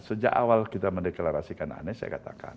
sejak awal kita mendeklarasikan anies saya katakan